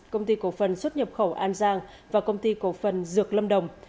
công ty cổ phần xuất nhập khẩu an giang và công ty cổ phần dược lâm đồng